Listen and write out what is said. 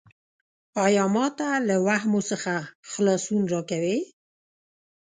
ایا ما ته له واهمو څخه خلاصون راکوې؟